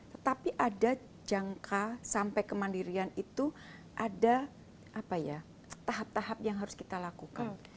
tetapi ada jangka sampai kemandirian itu ada tahap tahap yang harus kita lakukan